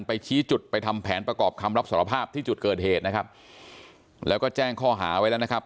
ไปจุดเกิดเหตุนะครับแล้วก็แจ้งข้อหาไว้นะครับ